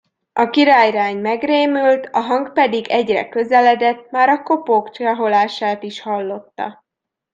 A királylány megrémült, a hang pedig egyre közeledett, már a kopók csaholását is hallotta.